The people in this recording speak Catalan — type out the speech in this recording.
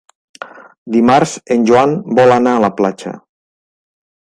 Dimarts en Joan vol anar a la platja.